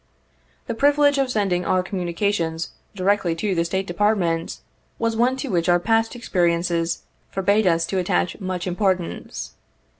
The privilege of sending our com munications " directly to the State Department," was one to which our past experience forbade us to attach much importance.